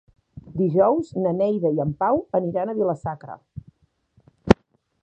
Dijous na Neida i en Pau aniran a Vila-sacra.